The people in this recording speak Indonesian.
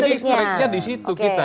nah itu jadi baiknya di situ kita